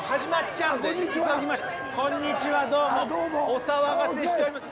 お騒がせしております。